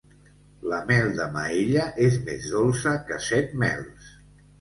La mel de Maella és més dolça que set mels.